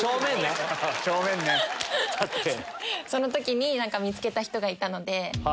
その時に見つけた人がいたので。